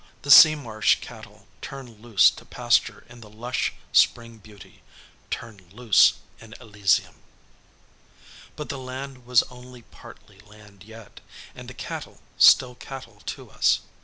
The sea marsh cattle turned loose to pasture in the lush spring beauty turned loose in Elysium! But the land was only partly land yet, and the cattle still cattle to us.